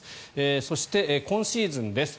そして、今シーズンです。